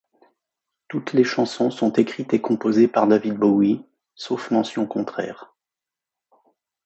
Toutes les chansons sont écrites et composées par David Bowie, sauf mention contraire.